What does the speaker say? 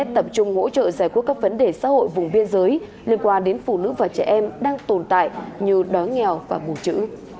tập trung hỗ trợ giải quyết các vấn đề xã hội vùng biên giới liên quan đến phụ nữ và trẻ em đang tồn tại như đói nghèo và bù chữ